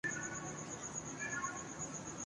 وہ آپ کا کیا لگتا ہے؟